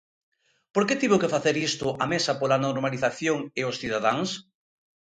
¿Por que tivo que facer isto a Mesa pola Normalización e os cidadáns?